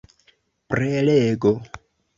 prelego